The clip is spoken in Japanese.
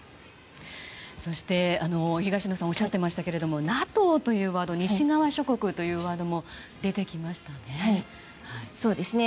そして、東野さんおっしゃっていましたけどＮＡＴＯというワード西側諸国というワードも出てきましたね。